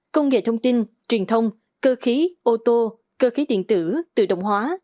công nghệ thông tin truyền thông cơ khí ô tô cơ khí điện tử tự động hóa